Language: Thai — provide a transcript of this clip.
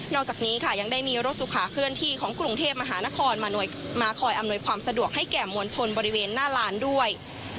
อกจากนี้ค่ะยังได้มีรถสุขาเคลื่อนที่ของกรุงเทพมหานครมาคอยอำนวยความสะดวกให้แก่มวลชนบริเวณหน้าลานด้วย